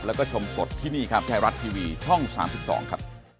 แล้วก็ชมสดที่นี่ครับไทยรัฐทีวีช่อง๓๒ครับ